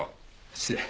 失礼。